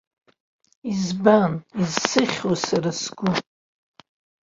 Избан, изсыхьуеи сара сгәы?